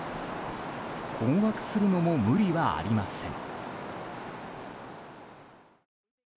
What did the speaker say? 困惑するのも無理はありません。